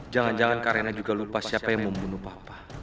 jangan jangan karena juga lupa siapa yang membunuh papa